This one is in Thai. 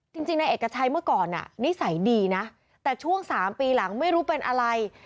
จริงนายเอกชัยเมื่อก่อนนิสัยดีนะแต่ช่วง๓ปีหลังไม่รู้เป็นอะไร